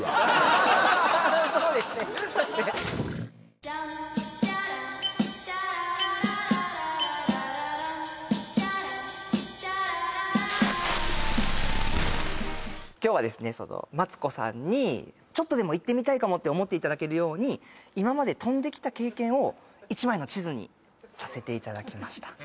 そうですね今日はですねマツコさんにちょっとでも行ってみたいかもって思っていただけるように今まで飛んできた経験を１枚の地図にさせていただきました